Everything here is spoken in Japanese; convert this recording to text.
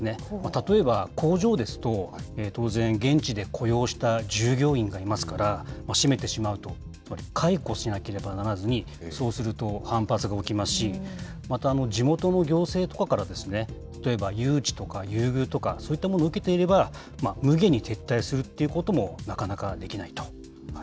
例えば、工場ですと当然、現地で雇用した従業員がいますから、閉めてしまうとやっぱり、解雇しなければならずに、そうすると反発が起きますし、また地元の行政とかから例えば誘致とか優遇とか、そういったものを受けていれば、むげに撤退するということもなかなかできないと。